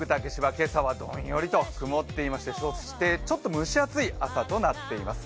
今朝はどんよりと曇っていましてそしてちょっと蒸し暑い朝となっています。